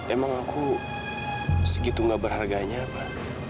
emang aku segitu gak berharganya pak